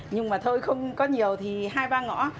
nhưng mà thôi không có nhiều thì hai ba ngõ